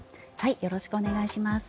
よろしくお願いします。